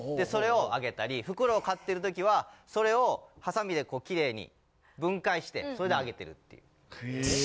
・それをあげたりフクロウを飼ってるときはそれをハサミできれいに分解してそれであげてるっていう。